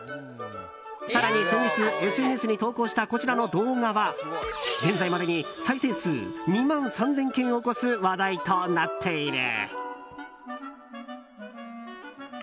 更に先日、ＳＮＳに投稿したこちらの動画は、現在までに再生数２万３０００件を超す話題となっている。